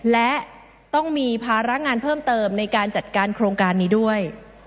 และต้องมีภาระงานเพิ่มเติมในการจัดการโครงการนี้ด้วย